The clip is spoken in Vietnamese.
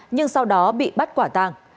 nhưng sau đó bị bắt quả tàng